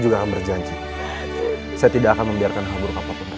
juga akan berjanji saya tidak akan membiarkan hal hal apa pun jadi